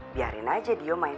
biarin aja dio main